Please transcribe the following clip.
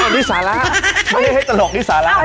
นิสาระไม่ได้ให้ตลกนิสาระ